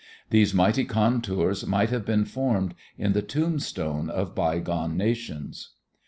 These mighty contours might have been formed in the tombstones of by gone nations.